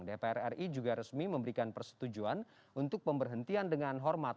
dpr ri juga resmi memberikan persetujuan untuk pemberhentian dengan hormat